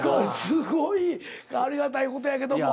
すごいありがたい事やけども。